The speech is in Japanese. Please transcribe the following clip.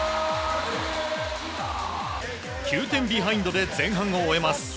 ９点ビハインドで前半を終えます。